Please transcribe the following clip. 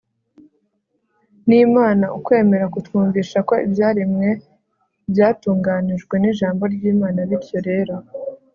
n'imana, ukwemera kutwumvisha ko ibyaremwe byatunganijwe n'ijambo ry'imana bityo rero